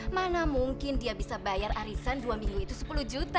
mana mungkin dia bisa bayar arisan dua minggu itu sepuluh juta